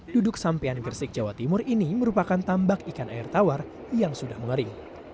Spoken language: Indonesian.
duduk sampean gresik jawa timur ini merupakan tambak ikan air tawar yang sudah mengering